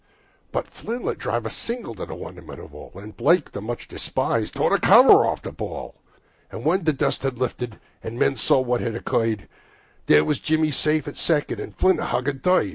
But Flynn let drive a single, to the wonderment of all, And Blake, the much despised, tore the cover off the ball, And when the dust had lifted, and they saw what had occurred, There was Jimmy safe on second, and Flynn a hugging third.